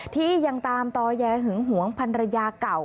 ที่ยังตามต่อแย้หึงหวงพันรยาเก่า